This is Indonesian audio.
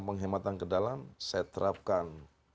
penghematan ke dalam saya terapkan